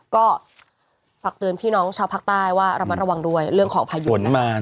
ก็ฝากเตือนพี่น้องชาวภาคใต้ว่าระมัดระวังด้วยเรื่องของพายุฝนมา